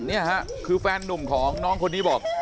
นี่ค่ะคือแฟนนุ่มของน้องคนนี้บอก